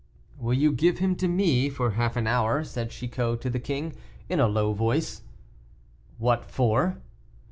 "Will you give him to me for half an hour?" said Chicot to the king, in a low voice. "What for?"